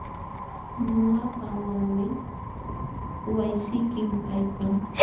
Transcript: Ñuqapa wawqii waqaysikim kaykan.